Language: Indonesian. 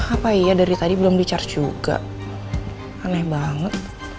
apa iya dari tadi belum bicara juga aneh banget